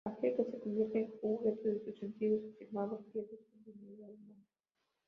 Aquel que se convierte en juguete de sus sentidos –afirmaba– pierde su dignidad humana.